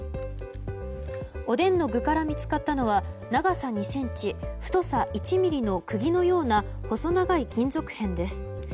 おでんの具から見つかったのは長さ２ｃｍ、太さ１ｍｍの釘のような細長い金属片です。